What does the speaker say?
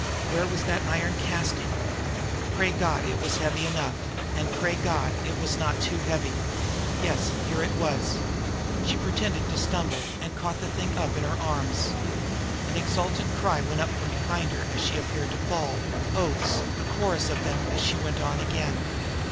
Where was that iron casting? Pray God, it was heavy enough; and pray God, it was not too heavy! Yes, here it was! She pretended to stumble and caught the thing up in her arms. An exultant cry went up from behind her as she appeared to fall oaths, a chorus of them, as she went on again.